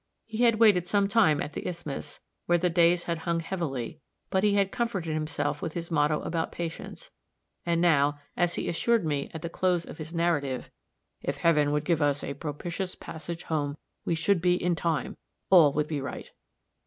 He had waited some time at the isthmus, where the days had hung heavily, but he had comforted himself with his motto about patience; and now, as he assured me at the close of his narrative, "If heaven would give us a propitious passage home we should be in time all would be right."